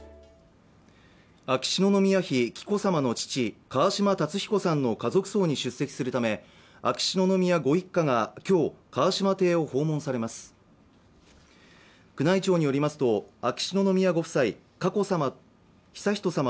秋篠宮妃、紀子さまの父川嶋辰彦さんの家族葬に出席するため秋篠宮ご一家が今日川嶋邸を訪問されます宮内庁によりますと秋篠宮ご夫妻佳子さま